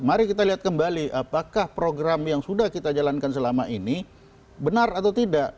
mari kita lihat kembali apakah program yang sudah kita jalankan selama ini benar atau tidak